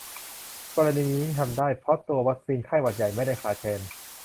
กรณีนี้ทำได้ เพราะตัววัคซีนไข้หวัดใหญ่ไม่ได้ขาดแคลน